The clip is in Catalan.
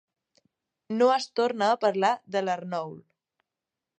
No es torna a parlar de l'Ernoul.